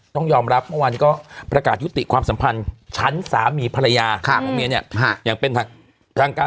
ต้องยอมรับเมื่อวานนี้ก็ประกาศยุติความสัมพันธ์ชั้นสามีภรรยาของเมียเนี่ยอย่างเป็นทางการ